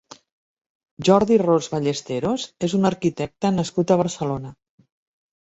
Jordi Ros Ballesteros és un arquitecte nascut a Barcelona.